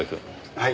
はい。